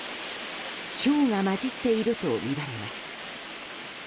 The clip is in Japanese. ひょうが交じっているとみられます。